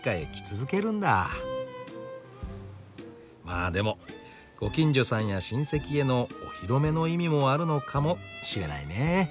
まあでもご近所さんや親戚へのお披露目の意味もあるのかもしれないね。